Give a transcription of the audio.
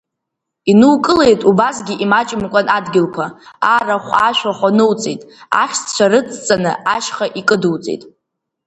Инукылеит убасгьы имаҷымкәан адгьылқәа, арахә-ашәахә ануҵеит, ахьшьцәа рыцҵаны ашьха икыдуҵеит.